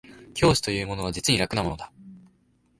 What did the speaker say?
教師というものは実に楽なものだ